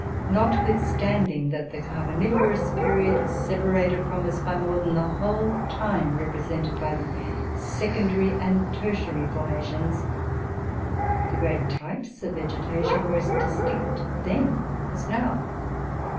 Notwithstanding that the carboniferous period is separated from us by more than the whole time represented by the secondary and tertiary formations, the great types of vegetation were as distinct then as now.